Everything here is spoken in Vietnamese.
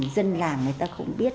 dân làm người ta không biết